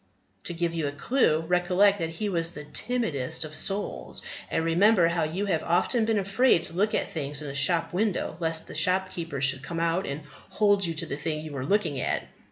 To give you a clue, recollect that he was the timidest of souls. And remember how you have often been afraid to look at things in a shop window lest the shopkeeper should come out and hold you to the thing you were looking at.